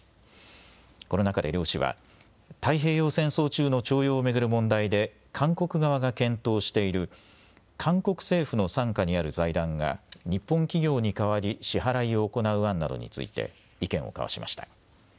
この中で両氏は、太平洋戦争中の徴用を巡る問題で韓国側が検討している韓国政府の傘下にある財団が日本企業に代わり支払いを行う案などについて意見を交わしました。